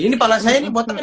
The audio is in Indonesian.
ini kepala saya ini botaknya